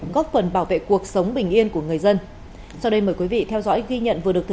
góp phần bảo vệ cuộc sống bình yên của người dân